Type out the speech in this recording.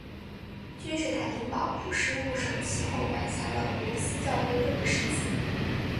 君士坦丁堡普世牧首其后管辖了罗斯教会六个世纪。